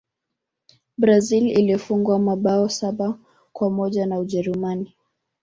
brazil ilifungwa mabao saba kwa moja na ujerumani